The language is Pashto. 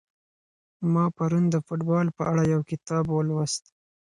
ما پرون د فوټبال په اړه یو کتاب ولوست.